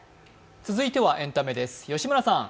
続いてはエンタメです。